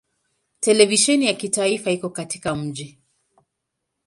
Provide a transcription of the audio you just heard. Televisheni ya kitaifa iko katika mji.